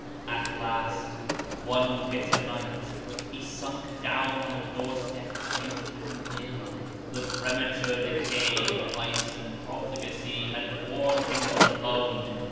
At last, one bitter night, he sunk down on a door step faint and ill. The premature decay of vice and profligacy had worn him to the bone.